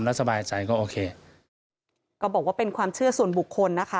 หรือว่ามันเป็นแค่ฝันหรือว่ามันเป็นความเชื่อของเรา